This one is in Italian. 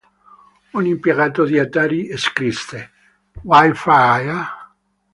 Un impiegato di Atari scrisse "Why Frye?